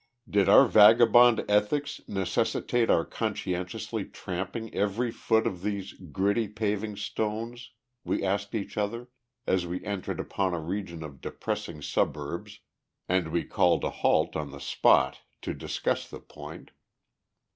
Did our vagabond ethics necessitate our conscientiously tramping every foot of these "gritty paving stones," we asked each other, as we entered upon a region of depressing suburbs, and we called a halt on the spot to discuss the point.